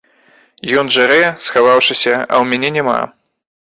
Ён жарэ, схаваўшыся, а ў мяне няма.